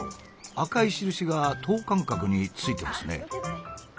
赤い印が等間隔についてますね。